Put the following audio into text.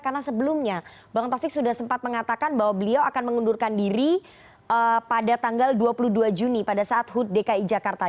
karena sebelumnya bang taufik sudah sempat mengatakan bahwa beliau akan mengundurkan diri pada tanggal dua puluh dua juni pada saat hud dki jakarta